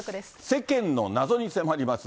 世間の謎に迫ります。